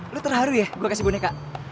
lo terharu ya gue kasih boneka